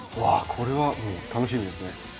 わっこれは楽しみですね。